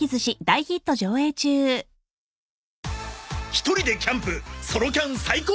一人でキャンプソロキャン最高！